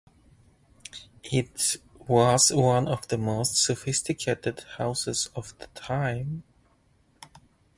It was one of the most sophisticated houses of the time.